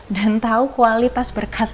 dan tahu kualitas berkas